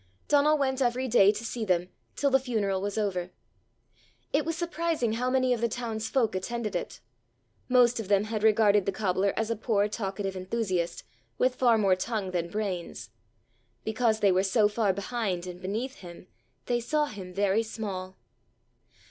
Donal went every day to see them till the funeral was over. It was surprising how many of the town's folk attended it. Most of them had regarded the cobbler as a poor talkative enthusiast with far more tongue than brains! Because they were so far behind and beneath him, they saw him very small!